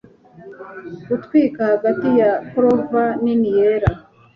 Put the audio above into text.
gutwika hagati ya clover nini yera